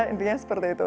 intinya seperti itu